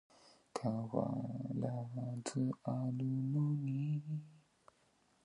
Sey Sammbo ɗon woya, laamɗo acci faada wari, wiʼi mo ko woynata mo.